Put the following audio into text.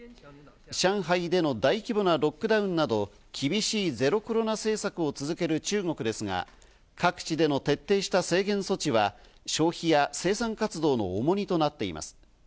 上海での大規模なロックダウンなど厳しいゼロコロナ政策を続ける中国ですが、各地での徹底した制限措置は消費や生産活動の重荷となっています。